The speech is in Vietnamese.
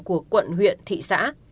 của quận huyện thị xã